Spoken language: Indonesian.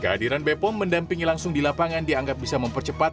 kehadiran bepom mendampingi langsung di lapangan dianggap bisa mempercepat